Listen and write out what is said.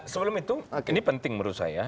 sebelum itu ini penting menurut saya